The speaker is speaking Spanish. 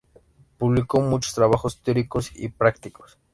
Publicó muchos trabajos teóricos y prácticos.